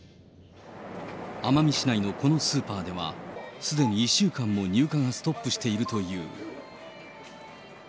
奄美市内のこのスーパーでは、すでに１週間も入荷がストップしているという。